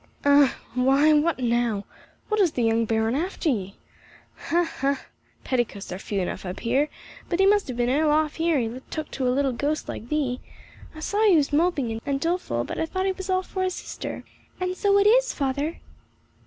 "Ah! Why, what now? What, is the young Baron after thee? Ha! ha! petticoats are few enough up here, but he must have been ill off ere he took to a little ghost like thee! I saw he was moping and doleful, but I thought it was all for his sister." "And so it is, father."